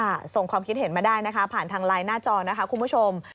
ส่งความคิดเห็นมาได้นะคะผ่านทางไลน์หน้าจอนะคะคุณผู้ชม